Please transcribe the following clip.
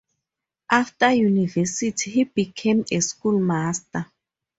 After university he became a schoolmaster.